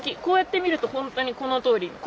こうやって見るとほんとにこのとおり。